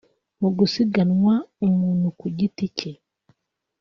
Mu gusiganwa umuntu ku giti cye